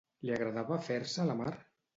Li agradava fer-se a la mar?